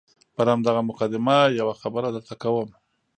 پر همدغه مقدمه یوه خبره درته کوم.